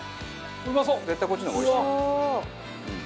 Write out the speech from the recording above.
絶対こっちのがおいしいもん。